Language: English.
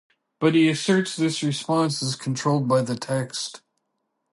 But he asserts this response is controlled by the text.